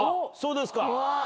そうですか。